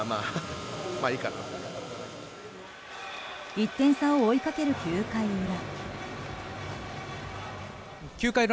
１点差を追いかける９回裏。